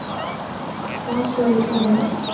江苏吴县人。